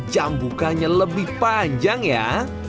jam bukanya lebih panjang ya